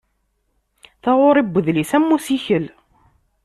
Taɣuri n udlis am ussikel.